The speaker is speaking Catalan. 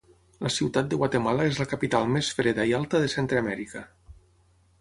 La ciutat de Guatemala és la capital més freda i alta de Centreamèrica.